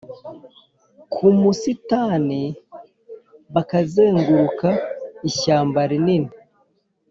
ku musitani, bakazenguruka ishyamba rinini